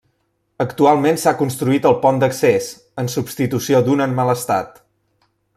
Actualment s'ha construït el pont d'accés, en substitució d'un en mal estat.